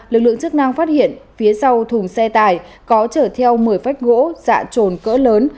lực lượng chức năng phát hiện phía sau thùng xe tải có chở theo một mươi phách gỗ dạ trồn cỡ lớn